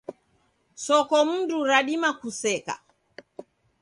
Sokomndu radima kuseka.